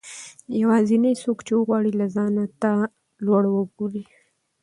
يوازنی څوک چې غواړي له ځانه تا لوړ وګورئ